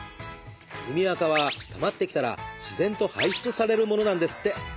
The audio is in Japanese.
耳あかはたまってきたら自然と排出されるものなんですって。